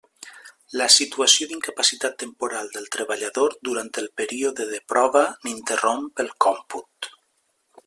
La situació d'incapacitat temporal del treballador durant el període de prova n'interromp el còmput.